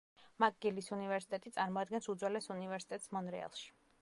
მაკგილის უნივერსიტეტი წარმოადგენს უძველეს უნივერსიტეტს მონრეალში.